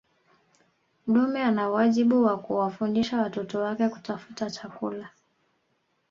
dume ana wajibu wa kuwafundisha watoto wake kutafuta chakula